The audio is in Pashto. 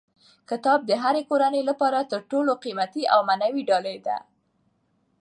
کتاب د هرې کورنۍ لپاره تر ټولو قیمتي او معنوي ډالۍ ده.